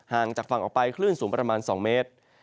งจากฝั่งออกไปคลื่นสูงประมาณ๒เมตร